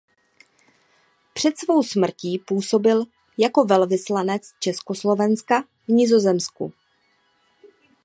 Před svou smrtí působil jako velvyslanec Československa v Nizozemsku.